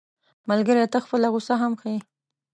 ملګری ته خپله غوسه هم ښيي